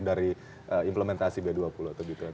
apakah itu relatif dari implementasi b dua puluh atau b dua puluh